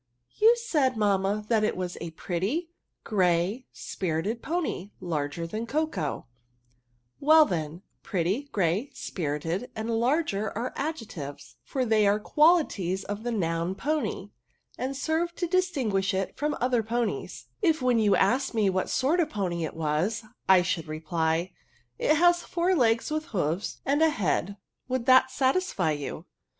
'' You said, mamma, that it was a pi^eftty, grey; spirited pony, larger that Coco*" '^^, then, pretty, ^grey, spirited/ And ADJECTIVES. 27 hrgeifi ^at^ ftdjectives ; for thej are qualities of the noun pony^ and serve to disting{}isli,.ji.t. firom other ponies. If when jou aslj^f^d m^ what sort of a pony it was, I should reply, ' It has four legs with hoofs, and a h^ad,^ would that satisfy you